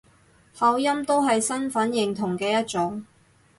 口音都係身份認同嘅一種